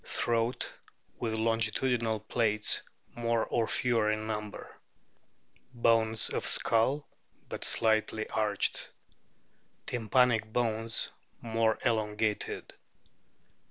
Throat with longitudinal plaits more or fewer in number. Bones of skull but slightly arched. Tympanic bones more elongated.